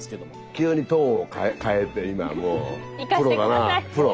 急にトーンを変えて今もうプロだなプロ。